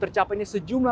kepala kepala kepala